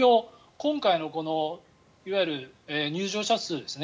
今回のいわゆる入場者数ですね。